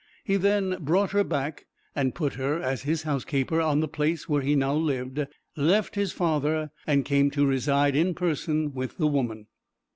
He then brought her back, and put her, as his housekeeper, on the place where he now lived; left his father, and came to reside in person with the woman.